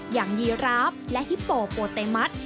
อย่างยีราฟและฮิปโปโปเตมัติ